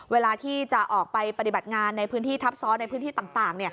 เวลาที่จะออกไปปฏิบัติงานในพื้นที่ทับซ้อนในพื้นที่ต่าง